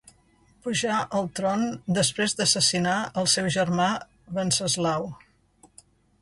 Pujà al tron després d'assassinar al seu germà Venceslau.